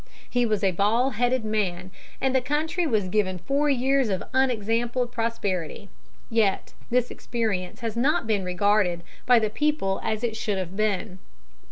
He was a bald headed man, and the country was given four years of unexampled prosperity. Yet this experience has not been regarded by the people as it should have been.